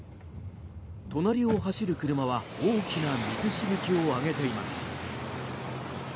隣を走る車は大きな水しぶきを上げています。